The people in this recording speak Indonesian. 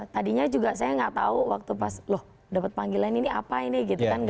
tadinya juga saya nggak tahu waktu pas loh dapat panggilan ini apa ini gitu kan